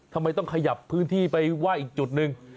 ทำไมต้องขยับพื้นที่ไปไหว้อีกจุดหนึ่ง